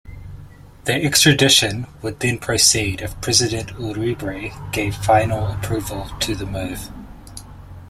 The extradition would then proceed if President Uribe gave final approval to the move.